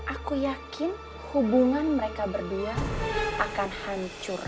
aku yakin hubungan mereka berdua akan hancur